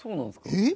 えっ？